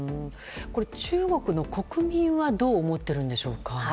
中国の国民はどう思ってるんでしょうか。